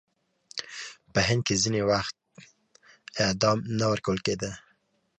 په هند کې ځینې وخت اعدام نه ورکول کېده.